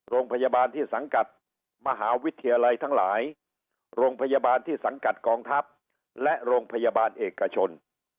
โรงพยาบาลที่สังกัดมหาวิทยาลัยทั้งหลายโรงพยาบาลที่สังกัดกองทัพและโรงพยาบาลเอกชน